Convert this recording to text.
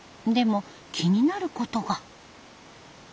でも気になることが。